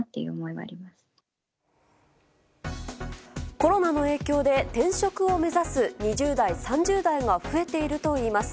コロナの影響で転職を目指す２０代、３０代が増えているといいます。